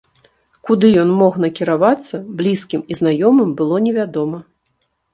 Куды ён мог накіравацца, блізкім і знаёмым было невядома.